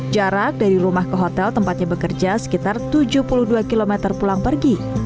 jarak dari rumah ke hotel tempatnya bekerja sekitar tujuh puluh dua km pulang pergi